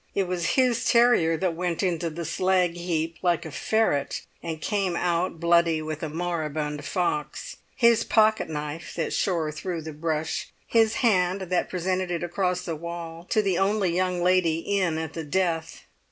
It was his terrier that went into the slag heap like a ferret, and came out bloody with a moribund fox; his pocket knife that shore through the brush, his hand that presented it across the wall to the only young lady in at the death.